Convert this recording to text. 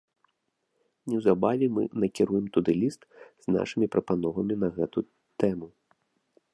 Неўзабаве мы накіруем туды ліст з нашымі прапановамі на гэту тэму.